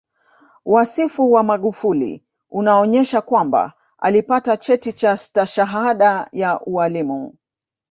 Wasifu wa Magufuli unaonyesha kwamba alipata cheti cha Stashahada ya ualimu